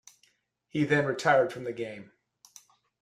He then retired from the game.